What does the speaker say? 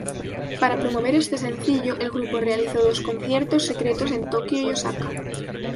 Para promover este sencillo, el grupo realizó dos conciertos secretos en Tokio y Osaka.